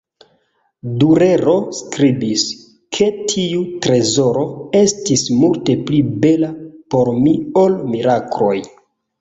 Durero skribis, ke tiu trezoro "estis multe pli bela por mi ol mirakloj.